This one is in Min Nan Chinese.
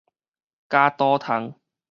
絞刀蟲